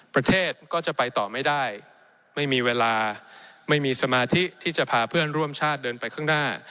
ประเทศก็จะไปต่อไม่ได้ไม่มีเวลาไม่มีสมาธิที่จะพาเพื่อนร่วมชาติเดินไปข้างหน้า